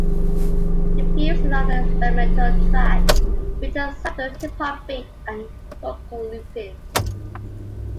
"The Fuse," another experimental track features a subtle Hip-Hop beat and vocal looping.